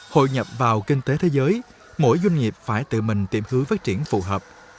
hội nhập vào kinh tế thế giới mỗi doanh nghiệp phải tự mình tìm hướng phát triển phù hợp